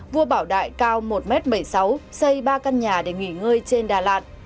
vua bảo đại cao một m bảy mươi sáu xây ba căn nhà để nghỉ ngơi trên đà lạt